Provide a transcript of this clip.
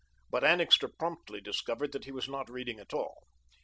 But Annixter promptly discovered that he was not reading at all.